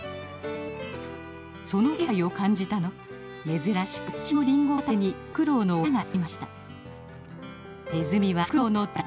その気配を感じたのか珍しく昼のリンゴ畑にフクロウの親がやって来ました。